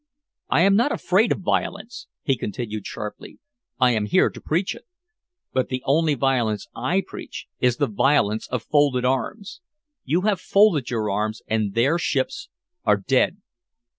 I am not afraid of violence," he continued sharply, "I am here to preach it. But the only violence I preach is the violence of folded arms. You have folded your arms and their ships are dead.